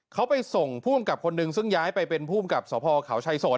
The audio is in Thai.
เขาไปส่งผู้กำกับคนหนึ่งซึ่งย้ายไปเป็นภูมิกับสพเขาชัยสน